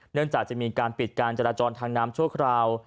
เนื่องจากจะมีการปิดการจรจรทางน้ำโชคราว